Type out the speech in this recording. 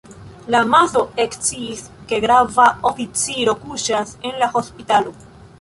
La amaso eksciis, ke grava oficiro kuŝas en la hospitalo.